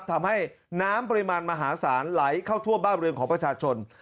ทำให้น้ำปริมาณมหาศาลไหลเข้าทั่วบ้านเรือนของประชาชน